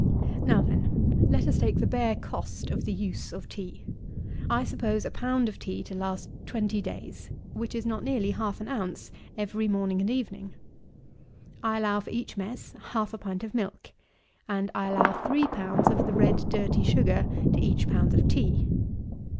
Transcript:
24. Now, then, let us take the bare cost of the use of tea. I suppose a pound of tea to last twenty days; which is not nearly half an ounce every morning and evening. I allow for each mess half a pint of milk. And I allow three pounds of the red dirty sugar to each pound of tea.